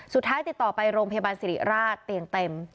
ติดต่อไปโรงพยาบาลสิริราชเตียงเต็ม